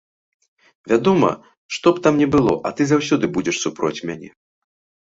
Вядома, што б там ні было, а ты заўсёды будзеш супроць мяне.